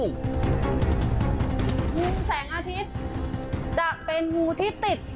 งูแสงอาทิตย์จะเป็นงูที่ติด